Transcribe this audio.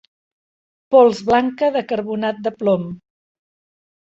Pols blanca de carbonat de plom.